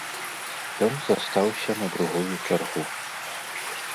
Ён застаўся на другую чаргу.